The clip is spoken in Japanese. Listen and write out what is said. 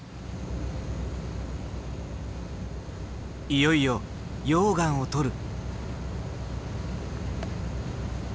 いよいよ溶岩を採る。